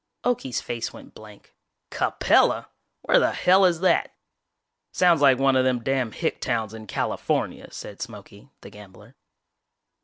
Okie's face went blank. "Capella! Where the hell is that?" "Sounds like one of them damn hick towns in California," said Smokey, the gambler.